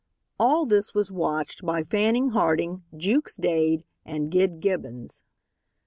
All this was watched by Fanning Harding, Jukes Dade, and Gid Gibbons.